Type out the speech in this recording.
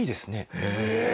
へえ。